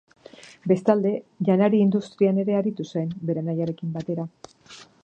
Bestalde, janari-industrian ere aritu zen, bere anaiarekin batera.